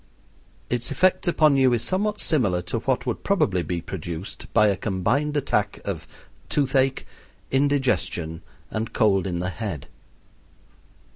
Its effect upon you is somewhat similar to what would probably be produced by a combined attack of toothache, indigestion, and cold in the head.